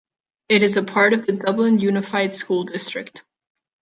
It is a part of the Dublin Unified School District.